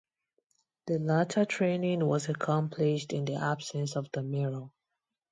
The latter training was accomplished in the absence of the mirror.